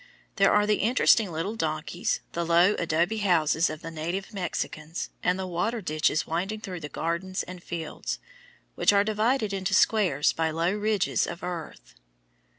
There are the interesting little donkeys, the low adobe houses of the native Mexicans, and the water ditches winding through the gardens and fields, which are divided into squares by low ridges of earth.